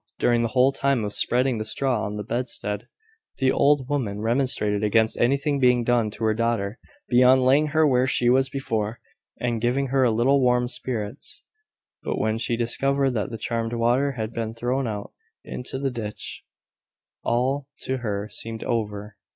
During the whole time of spreading the straw on the bedstead, the old woman remonstrated against anything being done to her daughter, beyond laying her where she was before, and giving her a little warm spirits; but when she discovered that the charmed water had been thrown out into the ditch, all to her seemed over.